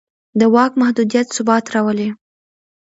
د واک محدودیت ثبات راولي